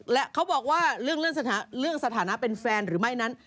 และเขาบอกว่าเรื่องสถานะเป็นแฟนหรือไม่นั้น